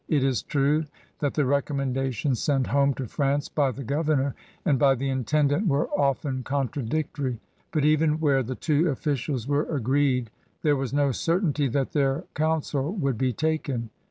It is true that the recommendations sent home to France by the Governor and by the Intendant were often contradictory, but even where the two officials were agreed there was no certainty that their counsel would be taken.